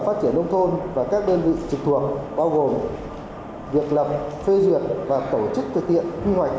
phát triển nông thôn và các đơn vị trực thuộc bao gồm việc lập phê duyệt và tổ chức thực hiện quy hoạch